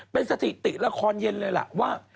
เป็นสถิติละครเย็นเลยล่ะว่า